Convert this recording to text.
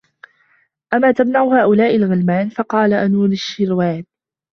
أَمَا تَمْنَعُ هَؤُلَاءِ الْغِلْمَانِ ؟ فَقَالَ أَنُوشِرْوَانَ